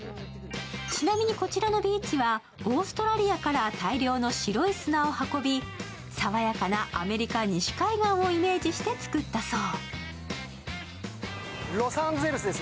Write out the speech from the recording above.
ちなみにこちらのビーチはオーストラリアから大量の白い砂を運びさわやかなアメリカ西海岸をイメージして作ったそう。